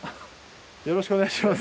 よろしくお願いします。